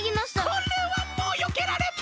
これはもうよけられま。